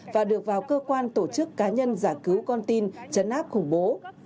và được vào cơ quan tổ chức cá nhân giải cứu con tin chấn áp khủng bố